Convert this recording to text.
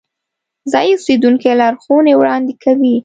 ځایی اوسیدونکي لارښوونې وړاندې کوي.